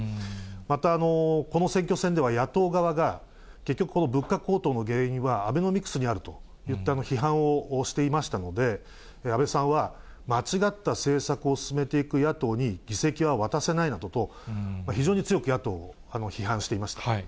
また、この選挙戦では野党側が、結局、この物価高騰の原因は、アベノミクスにあるといった批判をしていましたので、安倍さんは間違った政策を進めていく野党に議席は渡せないなどと、非常に強く野党を批判していました。